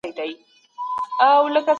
د مظلوم حق اخیستل د نبي سنت دی.